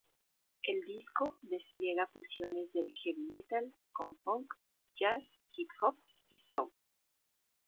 El disco, despliega fusiones del "heavy metal" con "funk, jazz, hip-hop" y "soul".